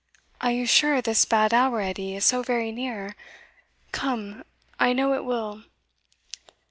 "Are you sure this bad hour, Edie, is so very near? come, I know, it will."